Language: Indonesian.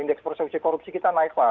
indeks persepsi korupsi kita naik pak